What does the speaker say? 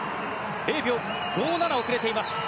０秒５７、遅れています。